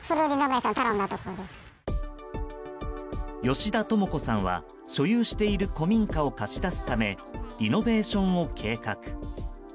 吉田智子さんは、所有している古民家を貸し出すためリノベーションを計画。